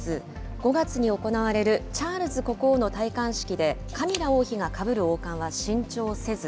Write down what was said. ５月に行われるチャールズ国王の戴冠式で、カミラ王妃がかぶる王冠は新調せず。